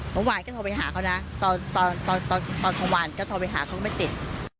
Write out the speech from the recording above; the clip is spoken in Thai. เมื่อวานก็โทรไปหาเขานะตอนกลางวันก็โทรไปหาเขาก็ไม่ติด